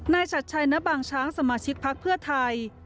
ชัดชัยณบางช้างสมาชิกพักเพื่อไทย